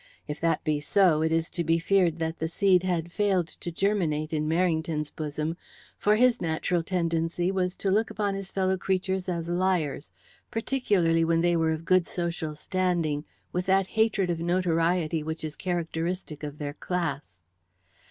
If that be so, it is to be feared that the seed had failed to germinate in Merrington's bosom, for his natural tendency was to look upon his fellow creatures as liars, particularly when they were of good social standing, with that hatred of notoriety which is characteristic of their class.